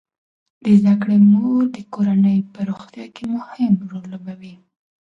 د زده کړې مور د کورنۍ په روغتیا کې مهم رول لوبوي.